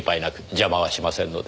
邪魔はしませんので。